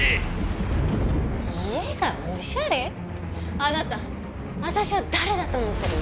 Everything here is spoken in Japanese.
あなた私を誰だと思ってるの？